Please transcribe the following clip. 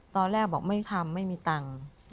ตอนแรกบอกไม่ทำไม่มีตังค์